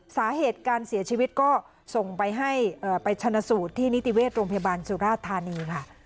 สาเหตุการเสียชีวิตก็ส่งไปให้ไปชนะสูตรที่นิติเวชโรงพยาบาลสุราธานีค่ะ